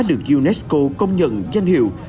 được unesco công nhận danh hiệu